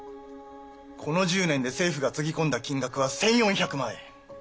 この１０年で政府がつぎ込んだ金額は１，４００万円。